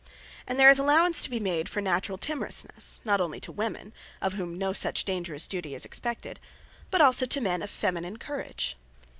And there is allowance to be made for naturall timorousnesse, not onely to women, (of whom no such dangerous duty is expected,) but also to men of feminine courage.